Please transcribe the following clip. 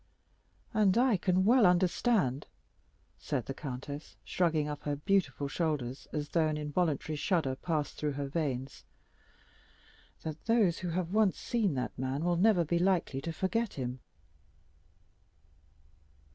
"And I can well understand," said the countess, shrugging up her beautiful shoulders, as though an involuntary shudder passed through her veins, "that those who have once seen that man will never be likely to forget him."